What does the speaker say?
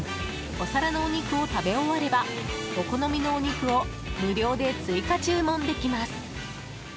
お皿のお肉を食べ終わればお好みのお肉を無料で追加注文できます。